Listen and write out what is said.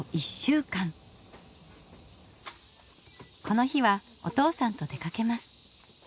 この日はお父さんと出かけます。